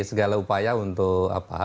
segala upaya untuk